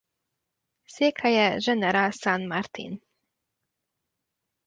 Székhelye General San Martín.